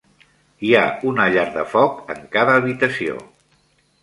Hi ha una llar de foc en cada habitació.